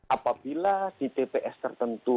apabila di tps tertentu